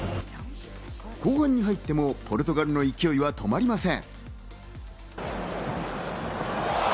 後半に入ってもポルトガルの勢いは止まりません。